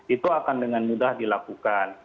itu akan dengan mudah dilakukan